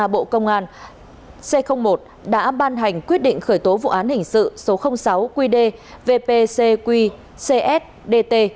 bộ công an c một đã ban hành quyết định khởi tố vụ án hình sự số sáu qd vpcq cs dt